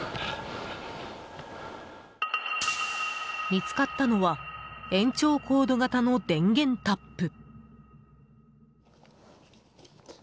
見つかったのは延長コード型の電源タップ。